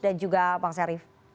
dan juga bang syarif